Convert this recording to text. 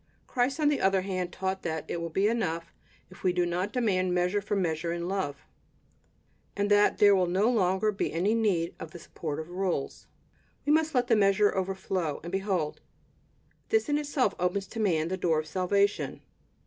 Christ, on the other hand taught that it will be enough if we do not demand measure for measure in love, and that there will no longer be any need of the support of rules. We must let the measure overflow; and behold! this in itself opens to man the door of salvation.